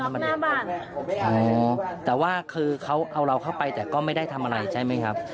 มันแต่ว่าคือเขาเอาเราเข้าไปแต่ก็ไม่ได้ทำอะไรใช่ไหมครับ